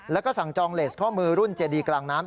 แล้วก็สั่งจองเลสข้อมือรุ่นเจดีกลางน้ำ